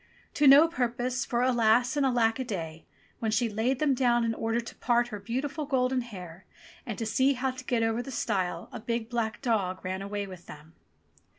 To no purpose, for alas, and alack a day ! when she laid them down in order to part her beautiful golden hair and to see how to get over the stile, a big black dog ran away with them.